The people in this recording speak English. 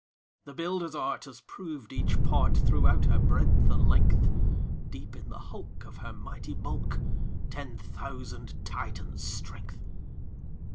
"The builder's art Has proved each part Throughout her breadth and length; Deep in the hulk, Of her mighty bulk, Ten thousand Titans' strength."